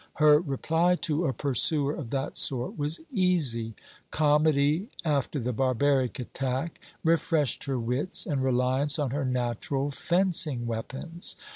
Her reply to a pursuer of that sort was easy. Comedy, after the barbaric attack, refreshed her wits and reliance on her natural fencing weapons.